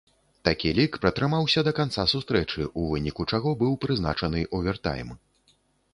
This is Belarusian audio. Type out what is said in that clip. Такі лік пратрымаўся да канца сустрэчы, у выніку чаго быў прызначаны овертайм.